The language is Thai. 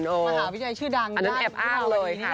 มหาวิทยาลัยชื่อดังอันนั้นแอบอ้างเลย